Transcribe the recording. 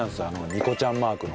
ニコちゃんマークの。